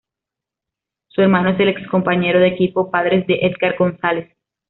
Su hermano es el ex compañero de equipo Padres de Edgar González.